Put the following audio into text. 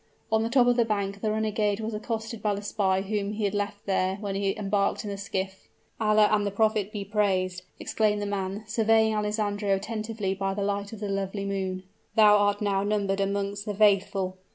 On the top of the bank the renegade was accosted by the spy whom he had left there when he embarked in the skiff. "Allah and the Prophet be praised!" exclaimed the man, surveying Alessandro attentively by the light of the lovely moon. "Thou art now numbered amongst the faithful!"